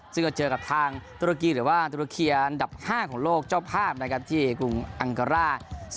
ซึ่งก็เจอกับทางตุรกีหรือว่าตุรเคียอันดับ๕ของโลกเจ้าภาพนะครับที่กรุงอังการ่า